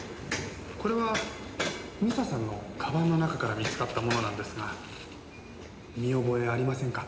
これは未紗さんのカバンの中から見つかったものなんですが見覚えありませんか？